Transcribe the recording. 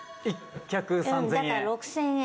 「１脚３０００円」